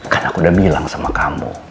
karena aku udah bilang sama kamu